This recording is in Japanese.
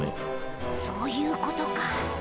そういうことか。